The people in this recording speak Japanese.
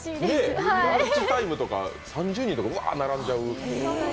ランチタイムとか３０人とかぶわー並んじゃう。